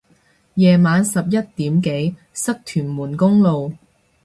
夜晚十一點幾塞屯門公路